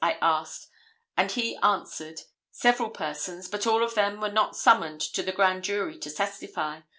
I asked, and he answered, "Several persons, but all of them were not summoned to the Grand Jury to testify.